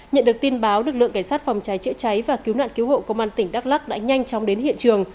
nhận được tin báo lực lượng cảnh sát phòng cháy chữa cháy và cứu nạn cứu hộ công an tỉnh đắk lắc đã nhanh chóng đến hiện trường